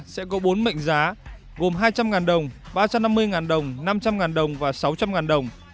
sẽ có bốn mệnh giá gồm hai trăm linh đồng ba trăm năm mươi đồng năm trăm linh đồng và sáu trăm linh đồng